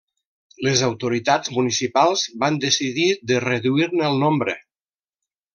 Les autoritats municipals van decidir de reduir-ne el nombre.